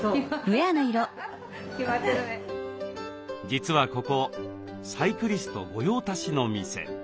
実はここサイクリスト御用達の店。